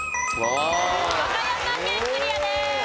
和歌山県クリアです。